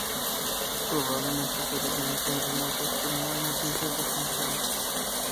Probablemente su origen es muy remoto, pero no hay noticias documentales.